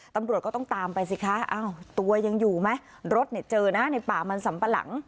ตำรวจก็ต้องตามไปสิคะตัวยังอยู่ไหมรถเนี่ยเจอนะในป่ามันสัมปะหลัง